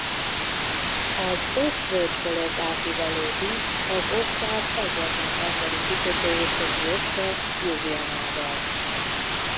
Az Osp-völgy fölött átívelő híd az ország egyetlen tengeri kikötőjét köti össze Ljubljanával.